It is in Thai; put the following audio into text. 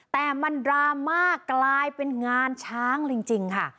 แต่มันดราม่ากลายเป็นงานช้างจริงค่ะ